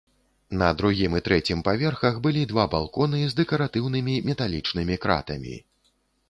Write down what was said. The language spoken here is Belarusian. На другім і трэцім паверхах былі два балконы з дэкаратыўнымі металічнымі кратамі.